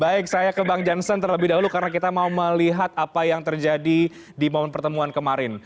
baik saya ke bang jansen terlebih dahulu karena kita mau melihat apa yang terjadi di momen pertemuan kemarin